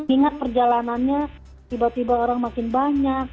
ingat perjalanannya tiba tiba orang makin banyak